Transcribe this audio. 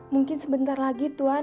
mungkin sebentar lagi tuan